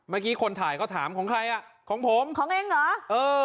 เมื่อกี้คนถ่ายเขาถามของใครอ่ะของผมของเองเหรอ